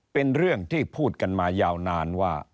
เป็นเรื่องที่พูดกันมายาวนานว่า